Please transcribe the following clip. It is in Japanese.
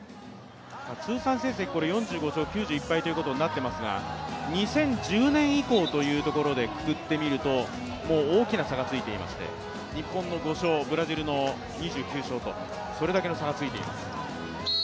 通算成績４５勝９１敗ということになっていますが２０１０年以降でくくってみるともう大きな差がついていまして日本の５勝、ブラジルの２９勝と、それだけの差がついています。